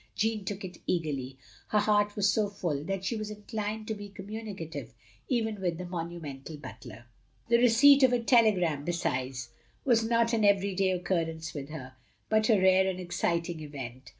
Jeanne took it eagerly. Her heart was so ftill that she was inclined to be communicative even with the moniunental butler. The receipt of a telegram, besides, was not an every day occurrence with her, but a rare and exciting event.